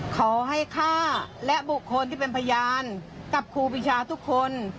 ขอให้ฆ่าและบุคคลที่เป็นพยานกับครูปีชาทุกคน